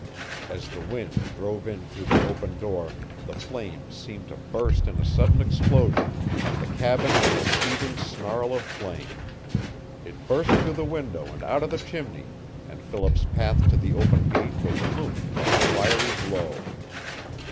As the wind drove in through the open door the flames seemed to burst in a sudden explosion and the cabin was a seething snarl of flame. It burst through the window and out of the chimney and Philip's path to the open gate was illumined by a fiery glow.